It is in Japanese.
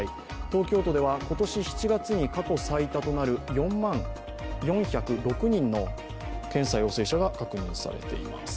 東京都では今年７月に過去最多となる４万４０６人の検査陽性者が確認されています。